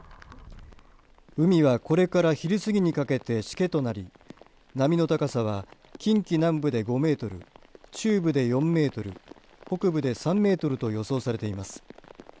海は、これから昼過ぎにかけてしけとなり、波の高さは近畿南部で５メートル中部で４メートル北部で３メートルと予想されています。